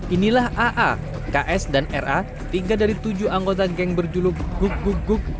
inilah aa ks dan ra tiga dari tujuh anggota geng berjuluk gug gug gug